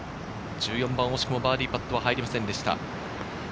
１４番、惜しくもバーディーパットは入りませんでした。